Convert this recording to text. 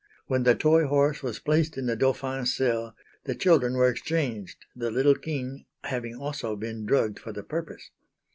When the toy horse was placed in the Dauphin's cell the children were exchanged, the little king having also been drugged for the purpose.